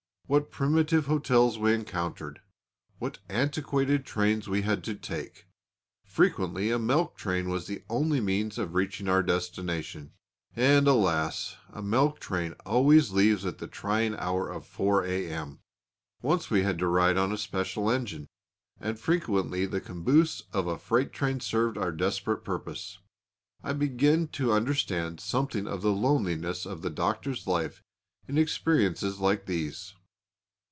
What primitive hotels we encountered; what antiquated trains we had to take! Frequently a milk train was the only means of reaching our destination, and, alas! a milk train always leaves at the trying hour of 4 a.m. Once we had to ride on a special engine; and frequently the caboose of a freight train served our desperate purpose. I began to understand something of the loneliness of the Doctor's life in experiences like these.